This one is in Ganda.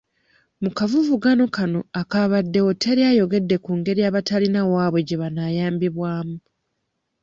Mu kavuvungano konna akabaddewo teri ayogedde ku ngeri abatalina waabwe gye banaayambibwamu.